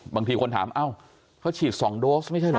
บางทีคนถามเอ้าเขาฉีด๒โดสไม่ใช่เหรอ